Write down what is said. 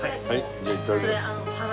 じゃあいただきます。